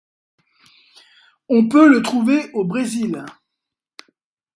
On peut le trouver au Brésil.